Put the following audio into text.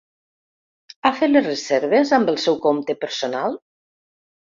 Ha fet les reserves amb el seu compte personal?